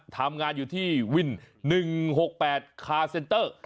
ทำงานอยู่ที่วิน๑๖๘คาเซนเตอร์